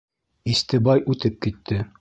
Истебай үтеп китте.